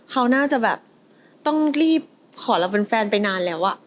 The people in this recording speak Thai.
เขาน่าจะแบบต้องรีบขอเราเป็นแฟนไปนานแล้ว